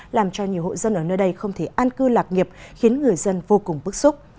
làm cho nhiều hộ dân ở nơi đây không thể an cư lạc nghiệp khiến người dân vô cùng bức xúc